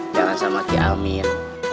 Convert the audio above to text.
jangan sama ki amin